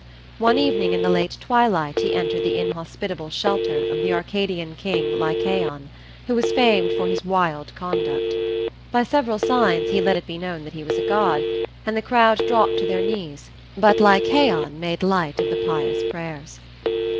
One evening in the late twilight he entered the inhospitable shelter of the Arcadian King Lycaon, who was famed for his wild conduct. By several signs he let it be known that he was a god, and the crowd dropped to their knees; but Lycaon made light of the pious prayers.